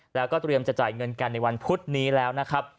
แล้วก็เตรียมจะจ่ายเงินกันในวันพุธนี้แล้วนะครับ